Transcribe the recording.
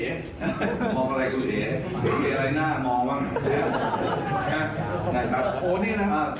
มองอะไรคุณเด๋เด๋อะไรหน้ามองบ้าง